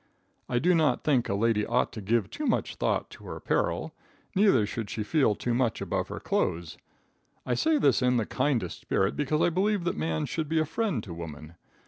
I do not think a lady ought to give too much thought to her apparel; neither should she feel too much above her clothes. I say this in the kindest spirit, because I believe that man should be a friend to woman.